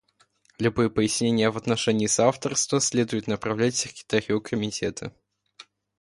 Любые пояснения в отношении соавторства следует направлять Секретарю Комитета.